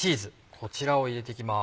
こちらを入れて行きます。